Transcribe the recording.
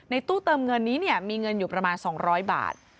ตู้เติมเงินนี้มีเงินอยู่ประมาณ๒๐๐บาท